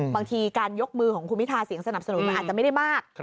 บางทีการยกมือของคุณพิทาเสียงสนับสนุนมันอาจจะไม่ได้มาก